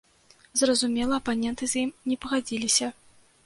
Зразумела, апаненты з ім не пагадзіліся.